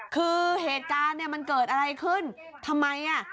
คือเหตุการณ์มันเกิดอะไรขึ้นทำไม